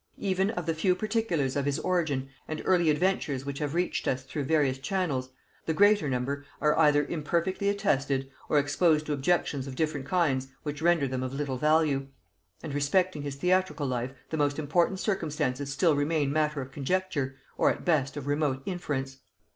Even of the few particulars of his origin and early adventures which have reached us through various channels, the greater number are either imperfectly attested, or exposed to objections of different kinds which render them of little value; and respecting his theatrical life the most important circumstances still remain matter of conjecture, or at best of remote inference.